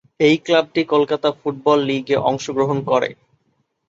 এই ক্লাবটি কলকাতা ফুটবল লিগে অংশগ্রহণ করে।